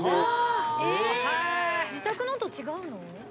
自宅のと違うの？